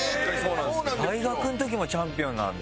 大学の時もチャンピオンなんだ。